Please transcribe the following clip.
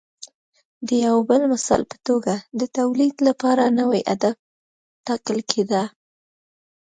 د یو بل مثال په توګه د تولید لپاره نوی هدف ټاکل کېده